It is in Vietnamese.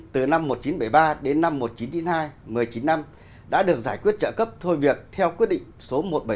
từ năm một nghìn chín trăm bảy mươi ba đến năm một nghìn chín trăm chín mươi hai một mươi chín năm đã được giải quyết trợ cấp thôi việc theo quyết định số một trăm bảy mươi chín